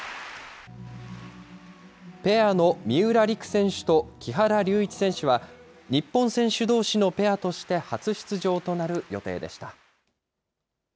ペアの三浦璃来選手と木原龍一選手は、日本選手どうしのペアとして初出場となる予定でした。